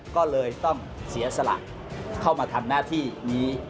ก็เลยต้องเสียสละเข้ามาทำหน้าที่นี้